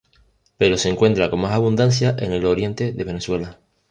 Pero se encuentra con más abundancia en el oriente de Venezuela.